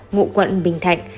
ngụ quận bình thạnh